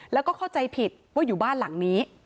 แล้วก็เข้าใจผิดว่าอยู่บ้านหลังนี้